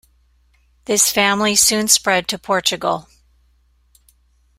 This family soon spread to Portugal.